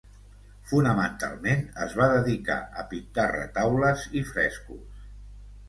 Fonamentalment es va dedicar a pintar retaules i frescos.